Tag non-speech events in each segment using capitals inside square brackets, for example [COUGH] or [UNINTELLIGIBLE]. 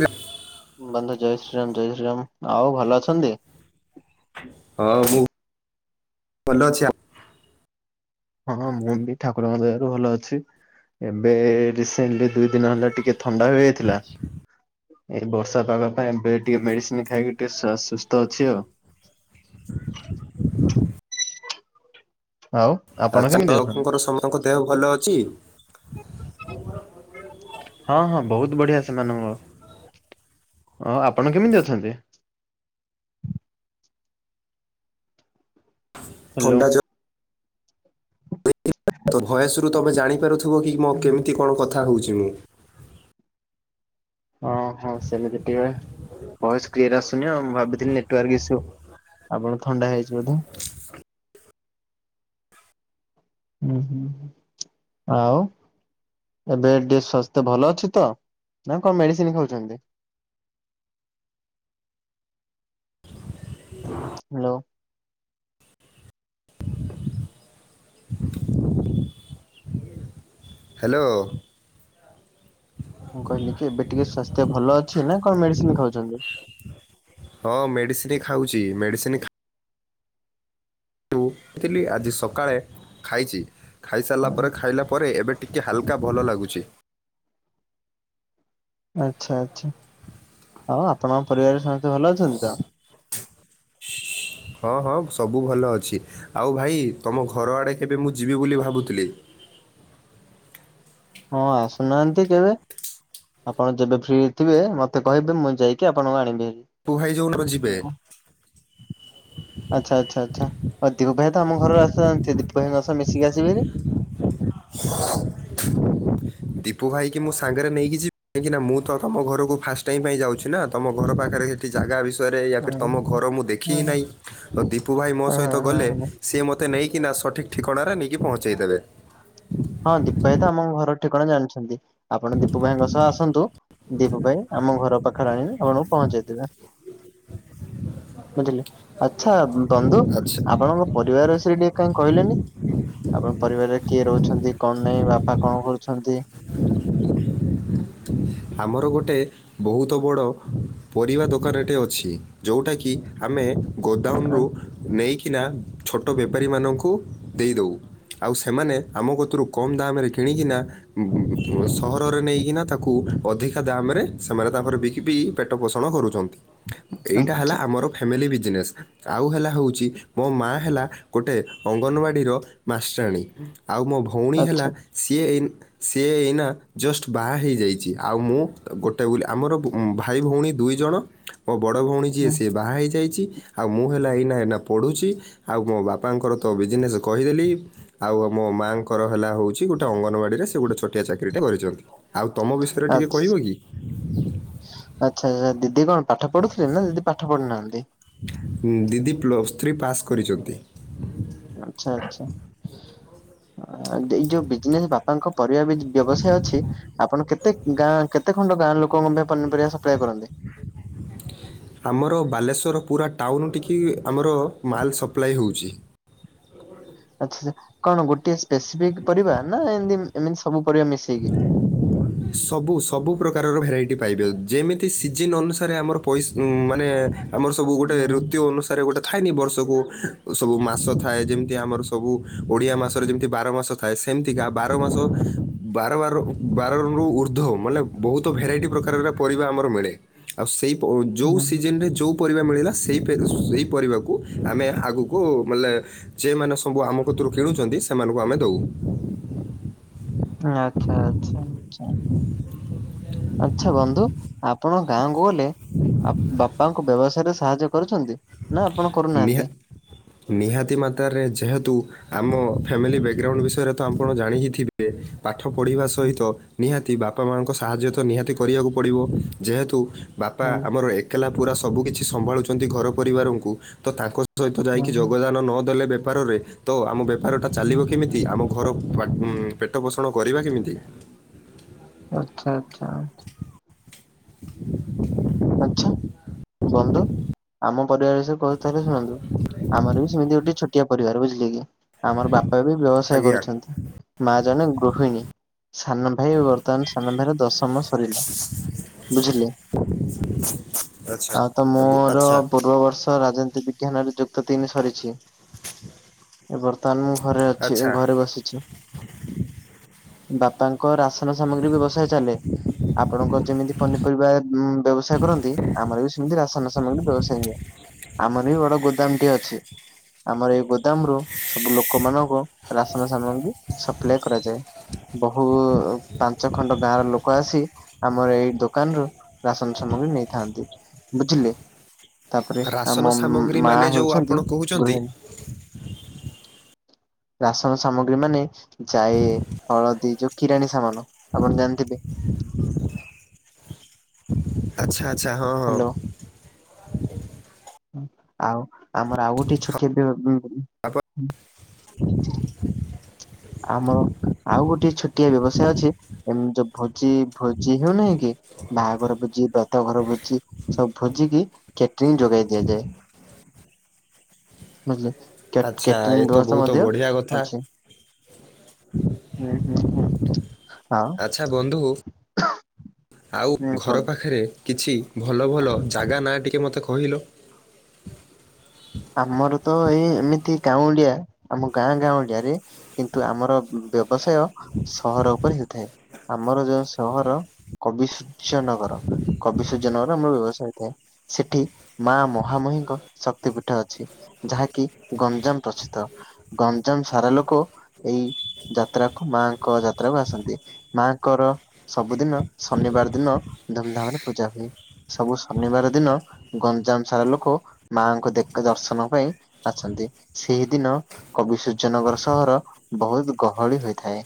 ରେ [UNINTELLIGIBLE] ବନ୍ଧୁ ଜୟ ଶ୍ରୀରାମ ଜୟ ଶ୍ରୀରାମ, ଆଉ ଭଲ ଅଛନ୍ତି। ହଁ ମୁଁ ଭଲ ଅଛି ଆ। ହଁ ମୁଁ ବି ଠାକୁରଙ୍କ ଦୟାରୁ ଭଲ ଅଛି। ଏବେ ରିସେଣ୍ଟଲି ଦୁଇ ଦିନ ହେଲା ଟିକେ- ଥଣ୍ଡା ହେଇଯାଇଥିଲା। ଏଇ ବର୍ଷା ପାାଗ ପାଇଁ ଏବେ ଟିକେ ମେଡିସିନ ଖାଇକି ଟିକେ ସୁସ୍ଥ ଅଛି ଆଉ। ଆଉ। ଆ ଆପଣ କେମିତି ଅଛନ୍ତି? ଛୋଟଙ୍କର ସମସ୍ତଙ୍କ ଦେହ ଭଲ ଅଛି। ହଁ ହଁ ବହୁତ ବଢିଆ ସେମାନଙ୍କ ର। ଆପଣ କେମିତି ଅଛନ୍ତି? ହ୍ୟାଲୋ। ଥଣ୍ଡା ଜ୍ୱର ତ ଭଏସରୁ ତମେ ଜାଣିପାରୁଥୁବ କି ମୋ କେମିତି କଣ କଥା ହଉଛି ମୁଁ। ହଁ ହଁ ସେମିତି ଟିଏ। ଭଏସ୍ କ୍ଲିଅର ଆସୁନି ଆଉ ମୁଁ ଭାବିଥିଲି ନେଟୱାର୍କ ଇସୁ ଆପଣଙ୍କୁ ଥଣ୍ଡା ହେଇଚି ବୋଧେ। ହୁଁ ହୁଁ ହୁଁ ଆଉ। ଏବେ ଟିକେ ସ୍ୱାସ୍ତ୍ୟ ଭଲ ଅଛି ତ ନା କଁ ମେଡିସିନି ଖାଉଛନ୍ତି? ହ୍ୟାଲୋ। ହ୍ୟାଲୋ। ମୁଁ କହିଲି କି ଏବେ ଟିକେ ସ୍ୱାସ୍ତ୍ୟ ଭଲ ଅଛି ନା କଣ ମେଡିସିନି ଖାଉଛନ୍ତି? ହଁ ମେଡିସିନି ଖାଉଚି ମେଡିସିନି ଖା ଟୁ ଥିଲି ଆଜି ସକାଳେ ଖାଇଚି ଖାଇସାରିଲା ପରେ ଖାଇଲା ପରେ ଏବେ ଟିକେ ହାଲକା ଭଲ ଲାଗୁଛି। ଆଚ୍ଛା ଆଚ୍ଛା ଆଉ ଆପଣଙ୍କ ପରିବାରେରେ ସମେତେ ଭଲ ଅଛନ୍ତି ତ? ହଁ ହଁ‌ ସବୁ ଭଲ ଅଛି ଆଉ ଭାଇ ତମ ଘର ଆଡେ କେବେ ମୁଁ ଯିବି ବୋଲି ଭାବୁଥିଲି। ହଁ ଆସୁନାହାନ୍ତି କେବେ। ଆପଣ ଯେବେ ଫ୍ରି ଥିବେ ମତେ କହିବେ ମୁଁ ଯାଇକି ଆପଣଙ୍କୁ ଆଣିବି ଭାରି। ପୁହାଇ ଯୋଉନ [UNINTELLIGIBLE] ଯିବେ। [UNINTELLIGIBLE] ଆଚ୍ଛା ଆଚ୍ଛା ଆଚ୍ଛା ଆଉ ଦିବୁ ଭାଇ ତ ଆମ ଘର ରାସ୍ତା ଜାଣିଥିବଜ ଦିପୁ ଭାଇଙ୍କ ସହ ମିଶିକି ଆସିବେ ହେରି। [INAUDIBLE] ଦିପୁ ଭାଇ କି ମୁଁ ସାଙ୍ଗରେ ନେଇକି ଯି [INAUDIBLE] କାହିଁକି ନା ମୁଁ ତମ ଘରକୁ ଫାଷ୍ଟ୍ ଟାଇମ୍ ପାଇଁ ଯାଉଛି ନା ତମ ଘର ପାଖେରେ ହେ ଠି ଜାଗା ବିଷୟରେ ୟା ଫିର୍ ତମ ଘର ମୁଁ ଦେଖି ହଁ ହି ନାଇଁ ତ ଦିପୁ ଭାଇ ମୋ ସହିତ ଗଲେ ହଁ ସିଏ ମତେ ନେଇକିନା ସଠିକ୍ ଠିକଣାରେ ନେଇକି ପହଞ୍ଚେଇ ଦେବେ। ହଁ ଦିପୁ ଭାଇ ତ ଆମ ଘର ଠିକଣା ଜାଣିଛନ୍ତି ଆପଣ ଦିପୁ ଭାଇଙ୍କ ସହ ଆସନ୍ତୁ। ଦିପୁ ଭାଇ ଆମ ଘର ପାଖେରେ ଆଣିକିନି ଆପଣଙ୍କୁ ପହଞ୍ଚେଇ ଦେବେ। ବୁଝିଲେ ଆଚ୍ଛା ଉଁ ବନ୍ଧୁ ଆଚ୍ଛା ଆପଣଙ୍କ ପରିବାର ବିଷେୟେରେ ଟିକେ କାଇଁ କହିଲେନି ଆପଣଙ୍କ ପରିବାରରେ କିଏ ରହୁଛନ୍ତି? କଣ ନାଇଁ ବାପା କଁ କରୁଛନ୍ତି? ଆମର ଗୋଟେ ବୋହୁତ ବଡ ପରିବା ଦୋକାନଟେ ଅଛି ଯୋଉଟା କିି ଆମେ ଗୋଦାମରୁ ନେଇକିନା ଛୋଟ ବେପାରୀମାନଙ୍କୁ ଦେଇଦଉ। ଆଉ ସେମାନେ ଆମ କତୁରୁ କମ୍ ଦାମରେ କିଣିକିନା [UNINTELLIGIBLE] ସହରରେ ନେଇକିନା ତାକୁ ଅଧିକା ଦାମରେ ସେମାନେ ତାପରେ ବିକି ପିଇ ପେଟ ପୋଷଣ କରୁଛନ୍ତି ଏଇଟା ହେଲା ଆଚ୍ଛା ଆମର ଫ୍ୟାମିଲି ବିଜିନେସ୍ ଆଉ ହେଲା ହଉଚି ମୋ ମାଆ ହେଲା ଗୋଟେ ଅଙ୍ଗନବାଡିର ମାଷ୍ଟ୍ରାଣୀ ଆଉ ମୋ ଭ ଭଉଣୀ ହେଲା ଆଚ୍ଛା ସିଏ ଏଇନ୍ ସିଏ ଏଇନା ଜଷ୍ଟ୍ ବାହା ହେଇଯାଇ ଚି ଆଉ ମୁଁ ତ ଗୋଟେ ବୋଲି ଆମର ବୋ ଉଁ ଭାଇ ଭଉଣୀ ଦୁଇ ଜଣ। ମୋ ବଡ ଭଉଣୀ ଯିଏ ହୁଁ ସିଏ ବାହା ହେଇଯାଇଚି। ଆଉ ମୁଁ ହେଲା ଏଇନା ଏନା ପଢୁଛି ଆଉ ମୋ ବାପାଙ୍କର ତ ବିଜିନେସେ କହିଦେଲି। ଆଉ ଆଉ ମୋ ମାଆଙ୍କର ହେଲା ହଉଛି ଗୋଟେ ଅଙ୍ଗନବାଡିରେ ସିଏ ଗୋଟେ ଛୋଟିଆ ଚାକିରିଟେ କରିଚନ୍ତି। ତମ ବିଷୟେରେ ଆଚ୍ଛା। ଟିକେ କହିବ କି? ଆଚ୍ଛା ଆଚ୍ଛା ଦିଦି କଁ ପାଠ ପଢୁଥିଲେ ନା ଦିଦି ପାଠ ପଢିନାହାନ୍ତି? ଉଁ ଦିଦି ପ୍ଲସ୍ ଥ୍ରୀ ପାସ୍ କରିଚନ୍ତି। ଆଚ୍ଛା ଆଚ୍ଛା ଆ ଯୋ ଏଇ ଯୋଉ ବିଜିନେସ୍ ବା ପାଙ୍କ ପରିବା ବିଜ୍ ବ୍ୟବସାୟ ଅଛି ଆପଣ କେତେ ଗାଁ କେତେ ଖଣ୍ଡ ଗାଁ ଲୋକଙ୍କ ପାଇଁ ପନିପରିବା ସପ୍ଲାଏ କରନ୍ତି? ଆମର ବାଲେଶ୍ୱର ପୁରା ଟାଉନୁ ଠିକି ଆମର ମାଲ୍ ସପ୍ଲାଏ ହଉଚି। ଆଚ୍ଛା ଚ୍ଛା କଣ ଗୋଟେ ସ୍ପେସିଫିକ୍ ପରିବା ନା ଏନ୍ଦି ଉଁ ଏମିତି ସବୁ ପରିବା ମିଶେଇକି। ସବୁ ସବୁ ପ୍ରକାରର ଭେରାଇଟି ପାଇବେ ଯେମିତି ସିଜନ୍ ଅନୁସାରେ ଆମର ପଇସ୍ ଉଁ ମାନେ ଆମର ସବୁ ଗୋଟେ ହୁଁ ଋତୁ ଅନୁସାରେ ଗୋଟେ ଥାଏନି ବର୍ଷକୁ ସବୁ ମାସ ଥାଏ ଯେମତି ଆମର ସବୁ ଓଡିଆ ମାସରେ ଯେମିତି ବାର ମାସ ଥାଏ ସେମିତିକା ବାର ମାସ ବାର ବାର ବାରରୁ ଉର୍ଦ୍ଧ୍ୱ ମାନେ ବହୁତ ଭେରାଇଟି ପ୍ରକାରର ପରିବା ଆମର ମିଳେ। ଆଉ ସେଇ ଯୋଉ ହୁଁ ସିଜନରେ ଯୋଉ ପରିବା ମିଳିଲା ସେ ସେହି ପରିବାକୁ ଆମେ ଆଗକୁ ମାଲେ ଯେମାନେ ସବୁ ଆମ କତିରୁ କିଣୁଛନ୍ତି ସେମାନଙ୍କୁ ଆମେ ଦଉ। ଆଚ୍ଛା ଆଚ୍ଛା ଆଛା। ଆଚ୍ଛା ବନ୍ଧୁ ଆପଣ ଗାଁକୁ ଗଲେ ବାପାଙ୍କୁ ବ୍ୟବସାୟ ରେ ସାହାଯ୍ୟ କରୁଛନ୍ତି ନା ଆପଣ କରୁନାହାନ୍ତି? ନିହା ନିହାତି ମାତ୍ରାରେ ଯେହେତୁ ଆମ ଫାମିଲି ବ୍ୟାକଗ୍ରାଉଣ୍ଡ ବିଷୟରେ ତ ଆପଣ ଜାଣିି ଥିବେ। ପାଠ ପଢ଼ିବା ସହିତ ନିହାତି ବାପା ମାଆଙ୍କୁ ସାହାଯ୍ୟ ତ ନିହାତି କରିବାକୁ ପଡ଼ିବ। ଯେହେତୁ ବାପା ଆମର ଏକଲା ପୁରା ସବୁ କିିଛି ସମ୍ଭାଳୁଛନ୍ତି ଘର ପରିବାରଙ୍କୁ ତ ତାଙ୍କ ସହିତ ଯାଇକି ଯୋଗଦାନ ନ ଦେଲେ ବେପାରରେ ତ ଆମ ବେପାର ଟା ଚାଲିବ କେମିତି? ଆମ ଘର ପେଟ ପୋଷଣ କରିବା କେମିତି? ଆଚ୍ଛା ଆଚ୍ଛା। [INAUDIBLE] ଆଛା ବନ୍ଧୁ ଆମ ପରିବାର ବିଷୟରେ କହୁଛି ତାହଲେ ଶୁଣନ୍ତୁ ଆମର ବି ସେମିତି ଗୋଟେ ଛୋଟିଆ ପରିବାର ବୁଝିଲେ କି? ଆମର ବାପା ବି ବ୍ୟବସାୟ ଆଜ୍ଞା କରୁଛନ୍ତି ମା ଜଣେ ଗୃହିଣୀ। ସାନ ଭାଇ ବର୍ତ୍ତମାନ ସାନ ଭାଇର ଦଶମ ସରିଲା ବୁଝିଲେ। [INAUDIBLE] ଆଉ ତ ବୁ- ମୋର ଆଚ୍ଛା ପୂର୍ବ ବର୍ଷ ରାଜନୀତି ବିଜ୍ଞାନରେ ଯୁକ୍ତ ତିନି ସରିଛି। ଏ ବର୍ତ୍ତମାନ ମୁଁ ଘରେ ଅଛି ଆଚ୍ଛା ଘରେ ବସିଛି। ବାପାଙ୍କ ରାସନ ସାମଗ୍ରୀ ବ୍ୟବସାୟ ଚାଲେ ଆପଣଙ୍କ ଯେମିତି ପନି ପରିବା ବ୍ୟବସାୟ କରନ୍ତି ଆମର ବି ସେମିତି ରାସାୟନ ସାମଗ୍ରୀ ବ୍ୟବସାୟ ହୁଏ। ଆମର ବି ବଡ ଗୋଦାମ ଟିଏ ଅଛି। ଆମର ଏଇ ଗୋଦାମରୁୁ ସବୁ ଲୋକମାନଙ୍କୁ ରାସନ ସାମଗ୍ରୀ ସପ୍ଲାଏ କରାଯାଏ। ବହୁ ପାଞ୍ଚ ଖଣ୍ଡ ଗାଁ ର ଲୋକ ଆସି ଆମର ଏଇ ଦୋକାନ ରୁ ରାସନ ସାମଗ୍ରୀ ନେଇଥାନ୍ତି ବୁଝିଲେ। ତାପରେ ରାସନ ଆମ ସାମଗ୍ରୀ ମା ମାନେ ଯୋଉ ଆପଣ ହେଉଛନ୍ତି କହୁଛନ୍ତି ଗୃହିଣୀ। ରାସନ ସାମଗ୍ରୀ ମାନେ ଜାଇ, ହଳଦୀ ଯୋଉ କିରାଣୀ ସାମାନ ଆପଣ ଜାଣିଥିବେ ଆଚ୍ଛା ଆଚ୍ଛା ହଁ ହଁ। ହ୍ୟାଲୋ। ଆଉ ଆମର ଆଉ ଗୋଟେ ଛୋଟିଆ ବି ବ ତାପ ଆମର ଆଉ ଗୋଟେ ଛୋଟିଆ ବ୍ୟବସାୟ ଅଛି ଏମ ଯୋଉ ଭୋଜି ଭୋଜି ହେଉନାହିଁ କି? ବାହାଘର ଭୋଜି ବ୍ରତ ଘର ଭୋଜି ସବୁ ଭୋଜିିକି କ୍ୟାଟରିଂ ଯୋଗାଇ ଦିଆଯାଏ। ବୁଝିଲେ କ୍ୟାଟ ଆଚ୍ଛା ଏ କ୍ୟାଟରିଂ ତ ବ୍ୟବସ୍ଥା ବହୁତ ମଧ୍ୟ ବଢିଆ କଥା ଅଛି। ହୁଁ ହୁଁ ହୁଁ। ଆଉ ଆଚ୍ଛା ବନ୍ଧୁ ଆଉ ହୁଁ ଘର କୁହନ୍ତୁ। ପାଖେରେ କିଛି ଭଲ ଭଲ ଜାଗା ନାଁ ଟିକେ ମତେ କହିଲ। ଆମର ତ ଏଇ ଏମିତି ଗାଉଁଲିଆ ଆମ ଗାଁ ଗାଉଁଲିଆରେ କିନ୍ତୁ ଆମର ବ୍ୟବସାୟ ସହର ଉପରେ ହେଉଥାଏ ଆମର ଯୋଉ ସହର କବି ସୂର୍ଯ୍ୟ ନଗର। କବି ସୂର୍ଯ୍ୟ ନଗର ଆମର ବ୍ୟବସାୟ ଥାଏ ସେଠି ମା ମହାମହିଙ୍କ ଶକ୍ତି ପି ଠ ଅଛି ଯାହାକି ଗଞ୍ଜାମ ପ୍ରସିଦ୍ଧ ଗଞ୍ଜାମ ସାରା ଲୋକ ଏଇ ଯାତ୍ରାକୁ ମାଙ୍କ ଯାତ୍ରାକୁ ଆସନ୍ତି। ମାଙ୍କର ସବୁଦିନ ଶନିବାର ଦିନ ଧୁମଧାମରେ ପୂଜା ହୁଏ। ସବୁ ଶନିବାର ଦିନ ଗଞ୍ଜାମ ସାରା ଲୋକ ମାଆଙ୍କୁ ଦେ କେ ଦର୍ଶନ ପାଇଁ ଆସନ୍ତି, ସେଇ ଦିନ କବି ସୂର୍ଯ୍ୟନଗର ସହର ବହୁତ ଗହଳି ହୋଇଥାଏ।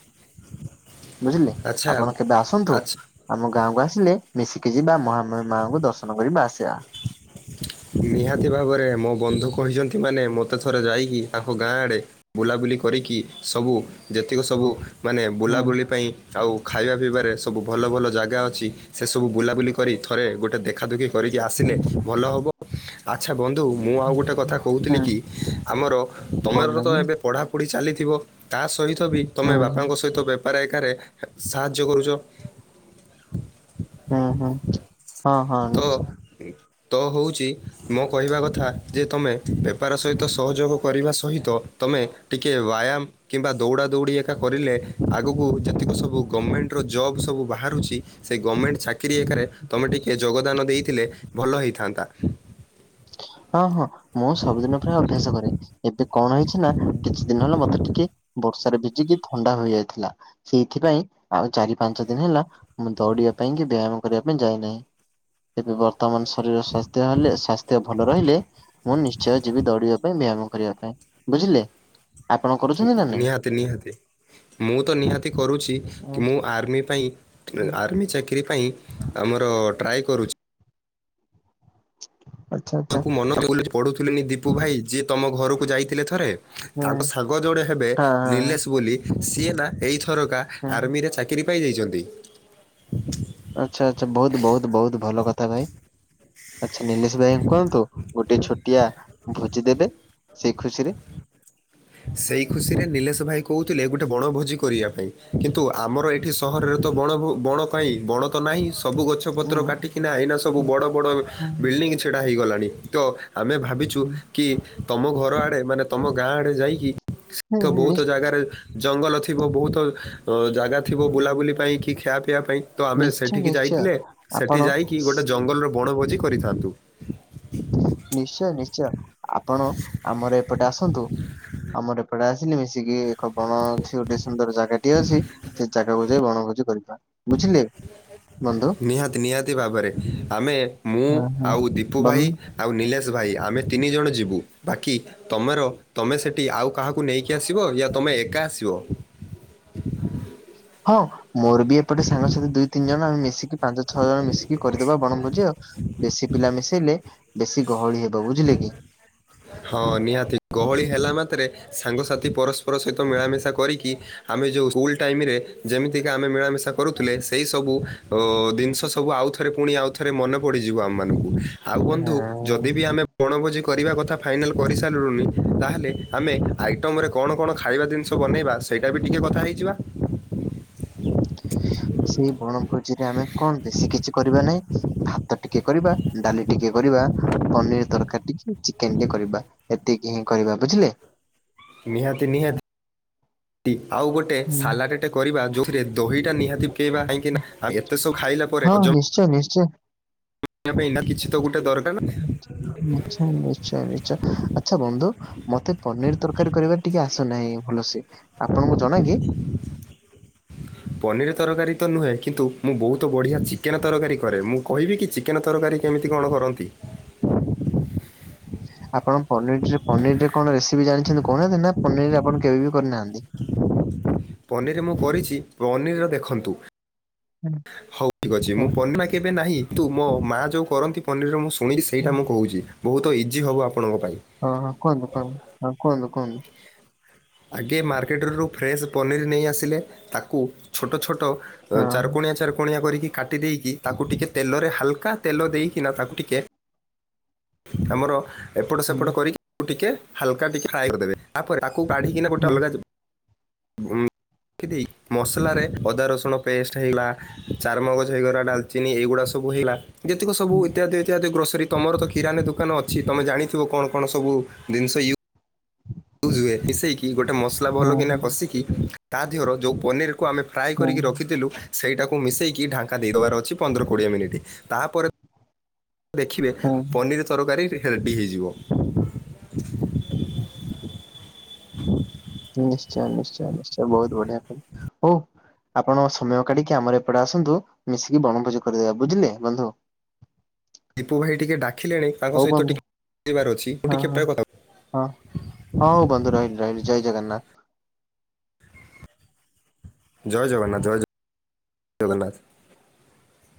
ବୁଝିଲେ, ଆଚ୍ଛା ଆପଣ କେବେ ଆସନ୍ତୁ। ଆଚ୍ଛା ଆମ ଗାଁକୁ ଆସିଲେ ମିଶିକି ଯିବା ମହାମହି ମାଙ୍କୁ ଦର୍ଶନ କରିବା ଆସିବା। ନିହାତି ଭାବରେ ମୋ ବନ୍ଧୁ କହିଛନ୍ତି ମାନେ ମୋତେ ଥରେ ଯାଇକି ତାଙ୍କ ଗାଁ ଆଡ଼େ ବୁଲାବୁଲି କରିକି, ସବୁ ଯେତିକ ସବୁ ମାନେ ହୁଁ ବୁଲାବୁଲି ପାଇଁ ଆଉ ଖାଇବା ପିଇବାରେ ସବୁ ଭଲ ଭଲ ଜାଗା ଅଛି, ସେ ସବୁ ବୁଲାବୁଲି କରି ଥରେ ଗୋଟେ ଦେଖାଦୁଖି କରିକି ହୁଁ ଆସିଲେ ଭଲ ହବ। ଆଚ୍ଛା ବନ୍ଧୁ ମୁଁ ଆଉ ଗୋଟେ କଥା କହୁଥିଲି ହୁଁ କି, ଆମର ତମେର ତ କହୁନାହାନ୍ତି ଏବେ ପଢ଼ାପଢ଼ି ଚାଲିଥିବ ତା ସହିତ ବି ହୁଁ ତୋମେ ହୁଁ ବାପାଙ୍କ ସହିତ ବେ ପାରେ ଏକାରେ ସାହାଯ୍ୟ କରୁଚ। ହଁ, ହଁ। ତ ନିଶ୍ଚୟ ତ ହଉଚି ମୋ କହିବା କଥା ଯେ ତୋମେ ବେପାର ସହିତ ସହଯୋଗ କରିବା ସହିତ। ତୋମେ ଟିକେ ବାୟାମ କିମ୍ବା ଦୌଡ଼ା ଦୌଡ଼ି ଏକା କରିଲେ ଆଗକୁ ଯେତିକ ସବୁ ଗମେଣ୍ଟ ଜବ୍ ସବୁ ବାହାରୁଛି ସେ ଗମେଣ୍ଟ ଚାକିରି ଏକାରେ ତୋମେ ଟିକେ ଯୋଗଦାନ ଦେଇଥିଲେ ଭଲ ହେଇଥାନ୍ତା। ହଁ, ହଁ ମୁଁ ସବୁଦିନ ପ୍ରାୟ ଅଭ୍ୟାସ କରେ। ଏବେ କଣ ହେଇଛି ନା କିଛି ଦିନ ହେଲା ମୋତେ ଟିକେ ବର୍ଷାରେ ଭିଜିକି ଥଣ୍ଡା ହୋଇଯାଇଥିଲା। ସେଇଥିପାଇଁ ଆଉ ଚାରି ପାଞ୍ଚ ଦିନ ହେଲା ମୁଁ ଦୌଡିବା ପାଇଁ କି ବ୍ୟାୟାମ କରିବା ପାଇଁ ଯାଇ ନାହିଁ। ଯଦି ବର୍ତ୍ତମାନ ଶରୀର ସ୍ୱାସ୍ଥ୍ୟ ହେଲେ ସ୍ବାସ ଥ୍ୟ ଦେହ ଭଲ ରହିଲେ ମୁଁ ନିଶ୍ଚୟ ଯିବି ଦୌଡିବା ପାଇଁ ବ୍ୟାୟାମ କରିବା ପାଇଁ ବୁଝିଲେ। ଆପଣ କରୁଛନ୍ତି ନା ଠିକ୍ ନାଇଁ? ନିହାତି ନିହାତି। ମୁଁ ତ ନିହାତି କରୁଛି, କି- ମୁଁ ଆର୍ମି ପାଇଁ ଏ ଆର୍ମି ଚାକିରି ପାଇଁ। ଆମର ଟ୍ରାଏ କରୁଛି। ଆଚ୍ଛା ଆଚ୍ଛା ତାଙ୍କୁ ମନ [INAUDIBLE] ଯୋଉ ପଢୁଥିଲିନି ଦୀପୁ ଭାଇ, ଯିଏ ତୋମ ଘରକୁ ଯାଇଥିଲେ ଥରେ। ହଁ ତାଙ୍କ ସାଙ୍ଗ ଜଣେ ହେବେ ହଁ ନିଲେଶ ବୋଲି। ସିଏ ନା ଏଇଥରକା ହଁ ହଁ। ଆର୍ମି ରେ ଚାକି କିରି ପାଇ ଯାଇଛନ୍ତି। ଆଚ୍ଛା, ଆଚ୍ଛା, ବହୁତ ବହୁତ ବହୁତ ଭଲ କଥା ଭାଇ। ଆଚ୍ଛା ନିଲେଶ ଭାଇଙ୍କୁ କୁହନ୍ତୁ। ଗୋଟେ ଛୋଟିଆ ଭୋଜି ଦେବେ ସେଇ ଖୁସିରେ। ସେଇ ଖୁସିରେ ନିଲେଶ ଭାଇ କହୁଥିଲେ ଗୋଟେ ବଣ ଭୋଜି କରିବା ପାଇଁ। କିନ୍ତୁ ଆମର ଏ ଏଠି ସହରରେ ତ ବଣ ଭୁ ବଣ କାଇ ବଣ ତ ନାହିଁ। ସବୁ ଗଛ ହୁଁ ପତ୍ର କାଟିକିନା ଏଇନା ସବୁ ବଡ଼ ବଡ଼ ହୁଁ ବିଲ୍ଡିଙ୍ଗ ଛିଡ଼ା ହେଇଗଲାଣି। ତୋ ଆମେ ଭାବିଛୁ କି ତୋମ ଘର ଆଡ଼େ ମାନେ ତୋମ ଗାଁ ଆଡ଼େ ଯାଇ ସେଠି ତ ବହୁତ ନିଶ୍ଚୟ ଜାଗାରେ ଜଙ୍ଗଲ ଥିବ। ବହୁତ ଅ, ଜାଗା ଥିବ ବୁଲାବୁଲି ପାଇଁ କି ଖିଆପିଆ ପାଇଁ। ତୋ ଆମେ ନିଶ୍ଚୟ ସେଠିକି ନିଶ୍ଚୟ ଯାଇଥିଲେ। ଆପଣ ସେଠି ଯାଇକି ଗୋଟେ ଜଙ୍ଗଲ ରେ ବଣଭୋଜି କରିଥାନ୍ତୁ। ନିଶ୍ଚୟ ନିଶ୍ଚୟ ଆପଣ ଆମର ଏପଟେ ଆସନ୍ତୁ। ଆମର ଏପଟେ ଆସିଲେ ମିଶିକି ଏକ ବଣ ଅଛି, ଗୋଟେ ସୁନ୍ଦର ଜାଗାଟିଏ ଅଛି। ସେ ଜାଗାକୁ ଯାଇ ବଣଭୋଜି କରିବା। ବୁଝିଲେ? ବନ୍ଧୁ। ନିହାତି ନିହାତି ଭାବରେ ଆମେ ମୁଁ ହଁ ହଁ। ଆଉ ଦୀପୁ ବନ୍ ଭାଇ ଆଉ ନିଲେଶ ଭାଇ ଆମେ ତିନି ଜଣ ଯିବୁ। ବାକି ତୋମର ତୋମେ ସେଠି ଆଉ କାହାକୁ ନେଇକି ଆସିବ? ୟା ତୋମେ ଏକା ଆସିବ? ହଁ, ମୋର ବି ଏପଟେ ସାଙ୍ଗ ଅଛନ୍ତି ଦୁଇ ତିନି ଜଣ ଆମେ ମିଶିକି ପାଞ୍ଚ ଛଅ ଜଣ ମିଶିକି କରିଦବା ବଣଭୋଜି ଆଉ। ବେଶୀ ପିଲା ମିଶେଇଲେ ବେଶୀ ଗହଳି ହେବ। ତୋ ବୁଝିଲେ କି? ହଁ ନିହାତି, ଗହଳି ହେଲା ମାତ୍ରେ ସାଙ୍ଗସାଥି ପରସ୍ପର ସହିତ ମିଳାମିଶା କରିକି ଆମେ ଯୋଉ ସ୍କୁଲ୍ ଟାଇମ୍ ରେ ଯେମିତିକା ଆମେ ମିଳାମିଶା କରୁଥିଲେ, ସେଇ ସବୁ ଅ, ଦିନିଷ ସବୁ ଆଉ ଥ ଥରେ ପୁଣି ଆଉ ଥରେ ମନେ ପଡିଯିବ ଆମ ମାନଙ୍କୁ। ଆଉ ବନ୍ଧୁ ହଁ। ଯଦି ବି ଆମେ ବଣଭୋଜି କରିବା କଥା ଫାଇନାଲ୍ କରି ସାରିଲୁଣି। ତାହେଲେ ଆମେ ଆଇଟମରେ କଣ କଣ ଖାଇବା ଜିନି ଛୋ ବନେଇବା ସେଇଟା ବି ଟିକେ କଥା ହେଇଯିବା। ସେଇ ବଣଭୋଜି ରେ ଆମେ କଣ ଦେଶୀକି ଚି କରିବା ନାଇଁ। ଭାତ ଟିକେ କରିବା ଡାଲି ଟିକେ କରିବା ପନିର ତରକାରୀ ଟିକେ, ଚିକେନ ଟେ କରିବା ଏତିକି ହିଁ କରିବା। ବୁଝିଲେ? ନିହାତି ନିହାତି ଟି ଆଉ ଗୋଟେ ହୁଁ। ସାଲାଟେ କରିବା ଯୋଉଥିରେ ଦହିଟା ନିହାତି କାଇବା। କହିଁକି ନା ଏତେ ସବୁ ଖାଇଲା ପରେ ହଜମ୍ ଚୋ ନିଶ୍ଚୟ। ୟା ପାଇଁ ଇନ୍ ହା କିଛି ତ ଗୋଟେ ଦର ନିଛୟ ନିଶ୍ଚୟ ନିଶ୍ଚ। ଆଛା ବନ୍ଧୁ ମତେ ପନିର ତରକାରୀ କରିବାରେ ଟିକେ ଆସୁନାହିଁ ଭଲସେ ଆପଣଙ୍କୁ ଜଣା କି? [INAUDIBLE] ପନିର ତରକାରୀ ତ ନୁହେଁ। କିନ୍ତୁ ମୁଁ ବହୁତ ବଢ଼ିଆ ଚିକେନ ତରକାରୀ କରେ। ମୁଁ କହିବି କିଚି? କେନ ତରକାରୀ କେମିତି କଣ କରନ୍ତି? ଆପଣ ପନିରଜେ ପନିରରେ କଣ ରେସିପି ଜାଣିଛନ୍ତି କହେଦେ ନା। ପନିରରେ ଆପଣ କେବେ ବି କରିନାହାନ୍ତି? ପନିର ମୁଁ କରିଛି। ପନିର ର ଦେଖନ୍ତୁ। ହଁ ହଉ ଠିକ ଅଛି ହଁ ମୁଁ ପନିମା କେବେ ନାହିଁ। ତୁ ମୋ ମାଆ ଯୋଉ କରନ୍ତି ପନିର ମୁଁ ଶୁଣିକି ସେଇଟା ମୁଁ କହୁଚି। ବହୁତ ଇଜି ହବ ଆପଣଙ୍କ ପାଇଁ। ହଁ ହଁ କୁହନ୍ତୁ କୁହନ୍ତୁ। ହଁ କୁହନ୍ତୁ କୁହନ୍ତୁ। ଆଗେ ମାର୍କେଟରୁ ଫ୍ରେସ୍ ପନିର ନେଇ ଆସିଲେ। ତାକୁ ଛୋଟ ଛୋଟ ହଁ। ଚାରକୋଣିଆ ଚାରକୋଣିଆ କରିକି କାଟି ଦେଇକି। ତାକୁ ଟିକେ ତେଲରେ ହାଲକା ତେଲ ଦେଇକିନା ତାକୁ ଟିକେ ଆମର ଏପଟ ହୁଁ ସେପଟ କରିକି ଟିକେ, ହାଲକା ଟିକେ ଫ୍ରାଏ କରିଦେବେ। ଆପରେ ତାକୁ ପାଢ଼ିକିନା ଗୋଟେ ହୁଁ ଅଲଗା ଯିବ ଉଁମ ଖୀଦେଇ ମସଲାରେ ଅଦା ରସୁଣ ପେଷ୍ଟ ହେଗଲା ଚାରୁମଗଜ ହେଇଗଟା ଡାଲଚିନି ଏଗୁଡା ସବୁ ହେଇଗଲା ଯେତିକି ସବୁ ହୁଁ ଇତ୍ୟାଦି ଇତ୍ୟାଦି ଗ୍ରୋସରୀ ତମର ତ କିରନେ ଦୋକାନ ଅଛି ତମେ ତ ଜାଣିଥିବ କଣ କଣ ସବୁ ଜିନିଷ୍ ଇୟୁ ହୁଏ ମିଶେଇ କି ଗୋଟେ ମସଲା ଭଲକିନା ହୁଁ କଷିକି ତା ଦେହ ର ଯୋଉ ପନିର୍ କୁ ଆମେ ଫ୍ରାଏ ହୁଁ କରିକି ରଖିଥିଲୁ ସେଇଟାକୁ ମିଶାଇକି ଢାଙ୍କା ଦେଇଦବାର ଅଛି ପନ୍ଦର କୋଡ଼ିଏ ମିନିଟ। ତାପରେ ଦେଖିବେ ହୁଁ। ପନିର୍ ତରକାରୀ ରେ ହେରେଡି ହେଇଯିବ। ନିଶ୍ଚୟ ନିଶ୍ଚୟ ନିଶ୍ଚୟ ବହୁତ ବଢିଆ କଲ୍ ହଉ ଆପଣ ସମୟ କାଢିକି ଆମର ଏପଟେ ଆସନ୍ତୁ ମିଶିକି ବଣଭୋଜି କରିଦେବା ବୁଝିଲେ ବନ୍ଧୁ? ଦୀପୁ ଭାଇ ଟିକେ ଡାଖୀଲେଣି ତାଙ୍କ ହଉ ସହିତ ବନ୍ଧୁ ଟିକେ ଟିବାର ଅଛି ମୁଁ ହଁ ଟିକେ ହଁ ପ୍ରାୟ କ ହଁ। ହଉ ବନ୍ଧୁ ରହିଲି ରହିଲି ଜଏ ଜଗନ୍ନାଥ। ଜୟ ଜଗନ୍ନାଥ ଜୟ ଜ ଗନ୍ନାଥ